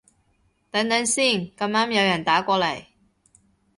等等先，咁啱有人打過來